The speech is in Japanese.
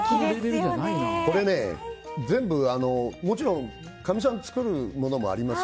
これね、もちろんかみさんが作るものもあります。